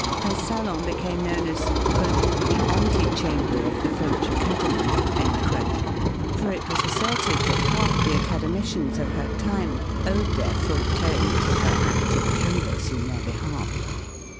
Her salon became known as "the ante chamber of the French Academy"; for it was asserted that half the academicians of her time owed their fauteuils to her active canvass in their behalf.